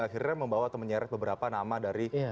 akhirnya membawa atau menyeret beberapa nama dari